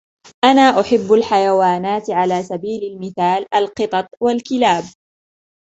أنا أُحب الحيوانات, على سبيل المثال, القِطط والكلاب.